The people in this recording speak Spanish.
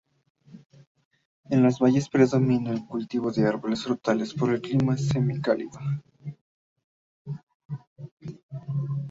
En los valles predomina el cultivo de árboles frutales, por el clima semi cálido.